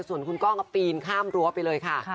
ส่วนคุณก้องก็ปีนข้ามรั้วไปเลยค่ะ